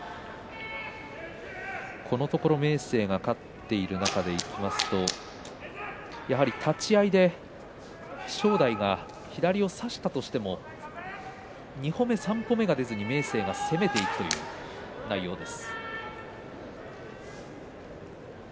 このところ明生が勝っている中でいきますとやはり立ち合いで正代が左を差したとしても２歩目、３歩目が出ずに明生が攻めていくという内容です。